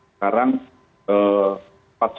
sekarang pas kelas